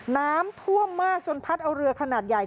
น้ำท่วมมากจนพัดเอาเรือขนาดใหญ่